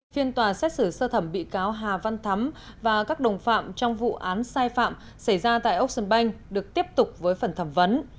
phiên tòa xét xử sơ thẩm bị cáo hà văn thắm và các đồng phạm trong vụ án sai phạm xảy ra tại ocean bank được tiếp tục với phần thẩm vấn